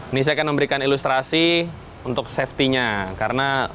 ini saya akan memberikan ilustrasi untuk safetynya karena